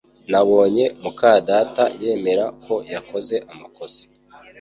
Nabonye muka data yemera ko yakoze amakosa